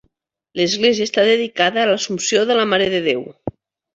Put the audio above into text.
L'església està dedicada a l'Assumpció de la Mare de Déu.